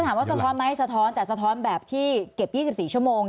สะท้อนไหมสะท้อนแต่สะท้อนแบบที่เก็บ๒๔ชั่วโมง